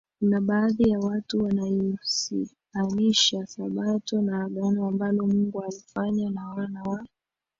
Kuna baadhi ya watu wanaihusianisha Sabato na Agano ambalo Mungu alifanya na wana wa